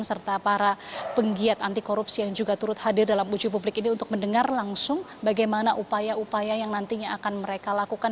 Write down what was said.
serta para penggiat anti korupsi yang juga turut hadir dalam uji publik ini untuk mendengar langsung bagaimana upaya upaya yang nantinya akan mereka lakukan